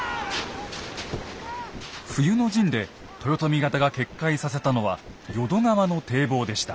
冬の陣で豊臣方が決壊させたのは淀川の堤防でした。